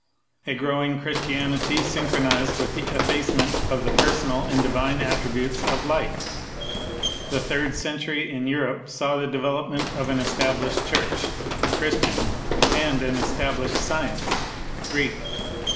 A growing Christianity synchronized with the effacement of the personal and divine attributes of Light. The third century in Europe saw the development of an established Church — Christian, and an established Science — Greek.